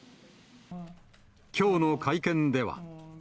きょうの会見では。